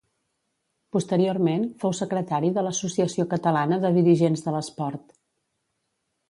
Posteriorment fou secretari de l'Associació Catalana de Dirigents de l'Esport.